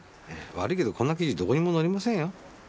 悪いけどこんな記事どこにも載りませんよ。